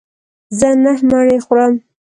زه نهه مڼې خورم.